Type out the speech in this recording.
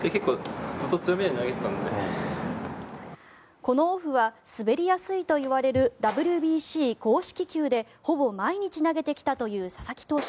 このオフは滑りやすいといわれるＷＢＣ公式球でほぼ毎日投げてきたという佐々木投手。